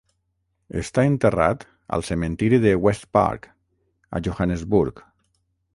Està enterrat al cementiri de West Park a Johannesburg.